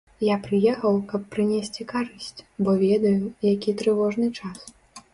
Я прыехаў, каб прынесці карысць, бо ведаю, які трывожны час.